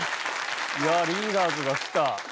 いやリーダーズが来た。